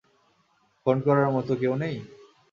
Phone করার মতো কেউ নেই?